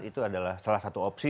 itu adalah salah satu opsi